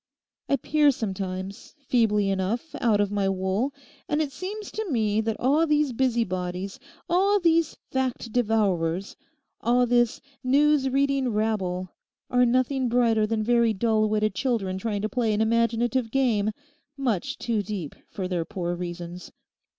I peer sometimes, feebly enough, out of my wool, and it seems to me that all these busybodies, all these fact devourers, all this news reading rabble, are nothing brighter than very dull witted children trying to play an imaginative game, much too deep for their poor reasons.